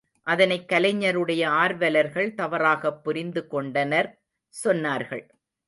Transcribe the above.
அதனைக் கலைஞருடைய ஆர்வலர்கள் தவறாகப் புரிந்து கொண்டனர் சொன்னார்கள்.